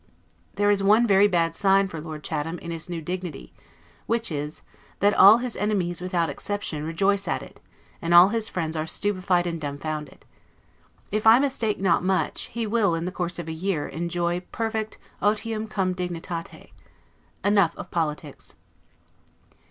There is one very bad sign for Lord Chatham, in his new dignity; which is, that all his enemies, without exception, rejoice at it; and all his friends are stupefied and dumbfounded. If I mistake not much, he will, in the course of a year, enjoy perfect 'otium cum dignitate'. Enough of politics.